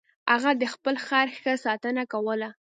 هغه د خپل خر ښه ساتنه کوله.